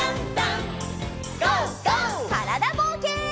からだぼうけん。